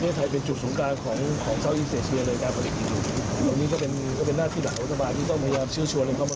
ที่ต้องพยายามชื่อชวนให้เข้ามาลงโรงพยาบาล